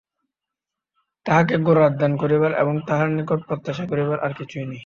তাহাকে গোরার দান করিবার এবং তাহার নিকট প্রত্যাশা করিবার আর কিছুই নাই?